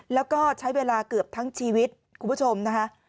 แล้วก็ใช้เวลาเกือบทั้งชีวิตคุณผู้ชมนะคะ